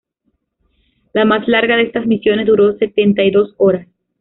La más larga de estas misiones duró setenta y dos horas.